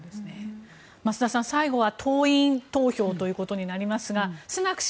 増田さん、最後は党員投票ということになりますがスナク